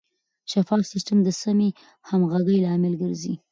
شفاف سیستم د سمې همغږۍ لامل ګرځي.